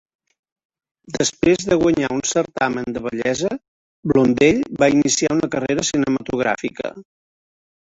Després de guanyar un certamen de bellesa, Blondell va iniciar una carrera cinematogràfica.